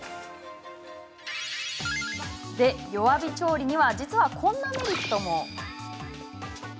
弱火調理には実はこんなメリットも。